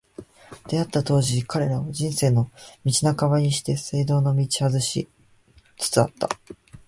出逢った当時、彼らは、「人生の道半ばにして正道を踏み外し」つつあった。